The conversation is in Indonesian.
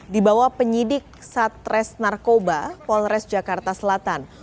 dibawa penyidik satres narkoba polres jakarta selatan